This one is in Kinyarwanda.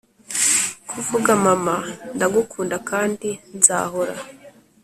kuvuga, "mama ndagukunda kandi nzahora."